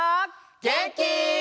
げんき？